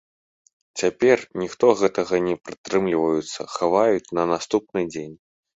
Цяпер ніхто гэтага не прытрымліваюцца, хаваюць на наступны дзень.